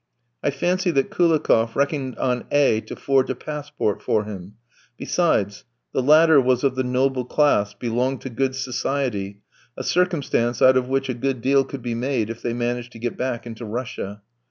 I fancy that Koulikoff reckoned on A v to forge a passport for him; besides, the latter was of the noble class, belonged to good society, a circumstance out of which a good deal could be made if they managed to get back into Russia.